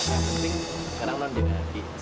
yang penting sekarang non diagnosi